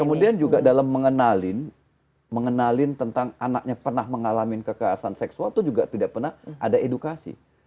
kemudian juga dalam mengenalin tentang anaknya pernah mengalami kekerasan seksual itu juga tidak pernah ada edukasi